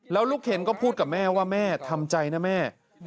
แล้วลูกเคนก็พูดกับแม่ว่าแม่ทำใจนะแม่